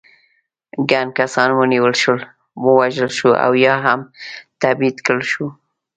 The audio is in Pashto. ګڼ کسان ونیول شول، ووژل شول او یا هم تبعید کړل شول.